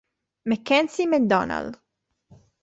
Mackenzie McDonald